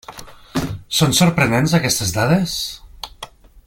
Són sorprenents aquestes dades?